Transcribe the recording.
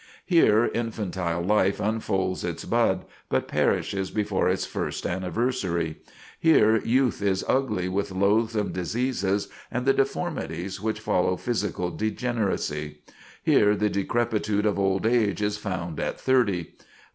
Here infantile life unfolds its bud, but perishes before its first anniversary. Here youth is ugly with loathsome diseases and the deformities which follow physical degeneracy. Here the decrepitude of old age is found at thirty.